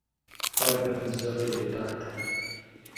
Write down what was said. Фадэм бзэр къетӏатэ.